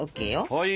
はい。